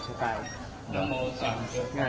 นักโมทรัพย์ภักวะโตอาระโตสัมมาสัมพุทธศาสตร์